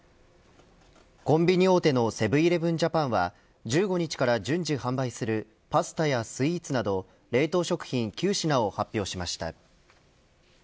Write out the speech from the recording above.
コンビニ大手のセブン‐イレブン・ジャパンは１５日から順次販売するパスタやスイーツなど冷凍食品９品を発表しました。